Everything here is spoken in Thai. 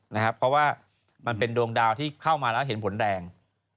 เพราะว่ามันเป็นดวงดาวที่เข้ามาแล้วเห็นผลแดง